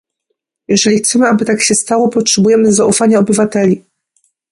Jeżeli chcemy, aby tak się stało, potrzebujemy zaufania obywateli